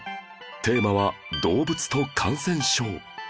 テーマは動物と感染症